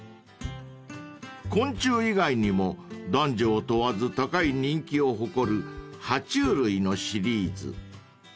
［昆虫以外にも男女を問わず高い人気を誇る爬虫類のシリーズ］